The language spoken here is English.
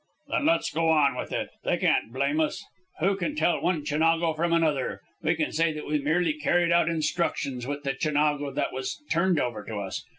"Then let's go on with it. They can't blame us. Who can tell one Chinago from another? We can say that we merely carried out instructions with the Chinago that was turned over to us.